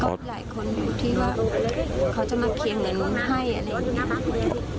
ก็มีหลายคนที่ว่าเขาจะมาเคียงเงินให้อะไรอย่างนี้ครับ